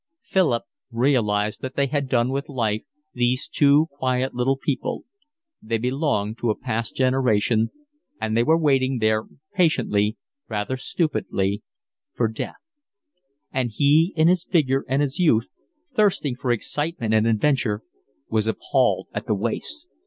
Philip realised that they had done with life, these two quiet little people: they belonged to a past generation, and they were waiting there patiently, rather stupidly, for death; and he, in his vigour and his youth, thirsting for excitement and adventure, was appalled at the waste.